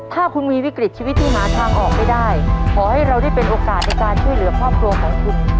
ถ้าคุณมีวิกฤตชีวิตที่หาทางออกไม่ได้ขอให้เราได้เป็นโอกาสในการช่วยเหลือครอบครัวของคุณ